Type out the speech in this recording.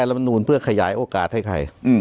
รัฐธรรมนุษย์เพื่อขยายโอกาสให้ใคร